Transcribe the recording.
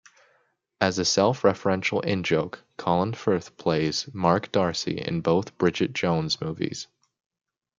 As a self-referential in-joke, Colin Firth plays Mark Darcy in both Bridget Jones movies.